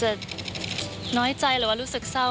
ชอบโมโหใส่คุณนิกเลยนะครับ